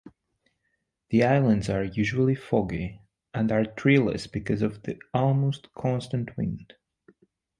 The islands are usually foggy and are treeless because of the almost constant wind.